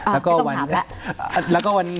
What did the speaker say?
ไม่ต้องถามแล้ว